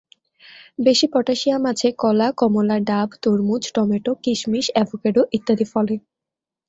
বেশি পটাশিয়াম আছে কলা, কমলা, ডাব, তরমুজ, টমেটো, কিশমিশ, অ্যাভোকেডো ইত্যাদি ফলে।